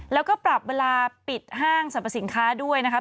แล้วก็ปรับเวลาปิดห้างสรรพสินค้าด้วยนะครับ